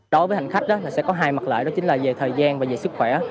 đối với hành khách sẽ có hai mặt lợi đó chính là về thời gian và về sức khỏe